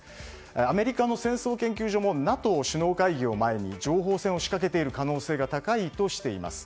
アメリカの戦争研究所もＮＡＴＯ首脳会議を前に情報戦を仕掛けている可能性が高いとしています。